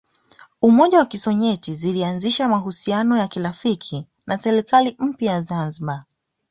Umoja wa Kisovyeti zilianzisha mahusiano ya kirafiki na serikali mpya ya Zanzibar